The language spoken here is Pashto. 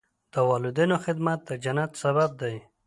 د والدینو خدمت د جنت سبب دی.